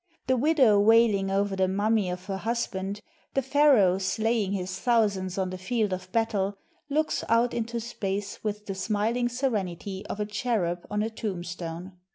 The widow wailing over the mummy of her husband, the Pharaoh sla>dng his thousands on the field of battle, looks out into space with the smiling serenity of a cherub on a tombstone.